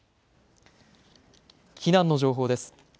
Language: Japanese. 避難の情報です。